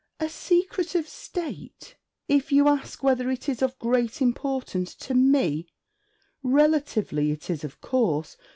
'A secret of State? If you ask whether it is of great importance to me, relatively it is of course.